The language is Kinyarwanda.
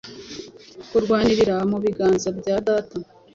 Kurwanira mu biganza bya data,